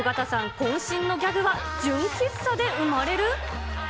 こん身のギャグは純喫茶で生まれる？